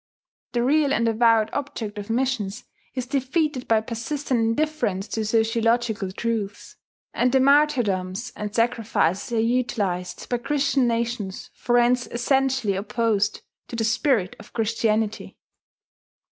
The real and avowed object of missions is defeated by persistent indifference to sociological truths; and the martyrdoms and sacrifices are utilized by Christian nations for ends essentially opposed to the spirit of Christianity.